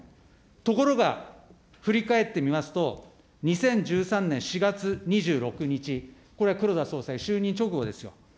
ところが振り返ってみますと、２０１３年４月２６日、これは黒田総裁、就任直後ですよ。